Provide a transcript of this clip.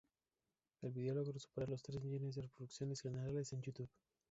El video logró superar las tres millones de reproducciones generales en YouTube.